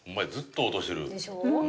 でしょ？